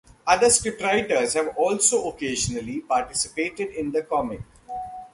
Other scriptwriters have also occasionally participated in the comic.